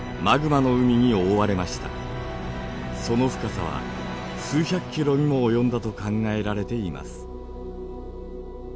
その深さは数百キロにも及んだと考えられています。